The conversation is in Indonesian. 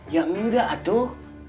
ya enggak atuh